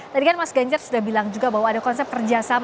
tadi kan mas ganjar sudah bilang juga bahwa ada konsep kerjasama